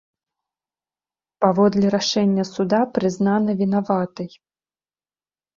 Паводле рашэння суда прызнана вінаватай.